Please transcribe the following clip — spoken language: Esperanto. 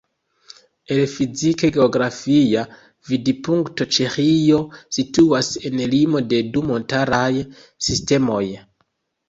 El fizike-geografia vidpunkto Ĉeĥio situas en limo de du montaraj sistemoj.